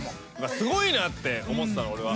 すごいなって思ってたの俺は。